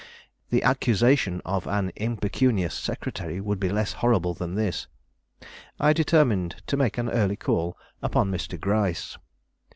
The accusation of an impecunious secretary would be less horrible than this. I determined to make an early call upon Mr. Gryce.